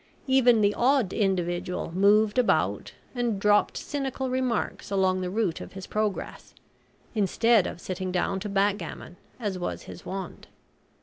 Even the "odd" individual moved about and dropped cynical remarks along the route of his progress, instead of sitting down to backgammon as was his wont.